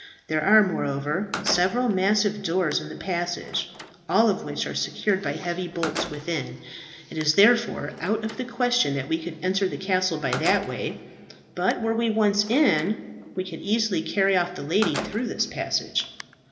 There are, moreover, several massive doors in the passage, all of which are secured by heavy bolts within. It is therefore out of the question that we could enter the castle by that way. But were we once in, we could easily carry off the lady through this passage."